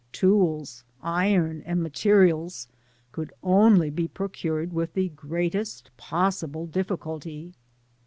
Tools, iron, and materials could only be procured with the greatest possible difficulty.